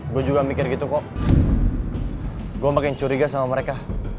gue juga mikir gitu kok gue makin curiga sama mereka